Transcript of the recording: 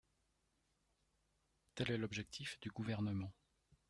Tel est l’objectif du Gouvernement.